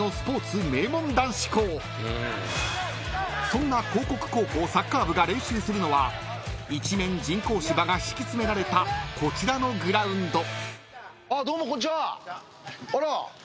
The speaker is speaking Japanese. ［そんな興國高校サッカー部が練習するのは一面人工芝が敷き詰められたこちらのグラウンド］